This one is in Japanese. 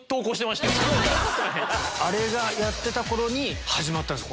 あれがやってた頃に始まったんですよ